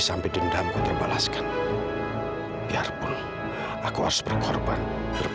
sampai jumpa di video selanjutnya